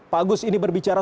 pak agus ini berbicara